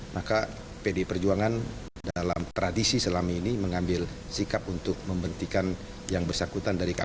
maka pdi perjuangan dalam tradisi selama ini mengambil sikap untuk membentikan yang bersangkutan dari kpk